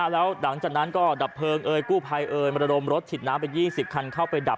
แล้วหลังจากนั้นก็ดับเพลิงเอ่ยกู้ภัยเอ่ยมระดมรถฉีดน้ำไป๒๐คันเข้าไปดับ